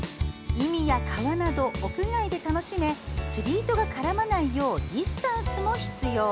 海や川など屋外で楽しめ釣り糸が絡まないようディスタンスも必要。